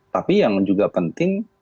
tapi yang juga penting